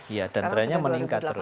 iya dan trennya meningkat terus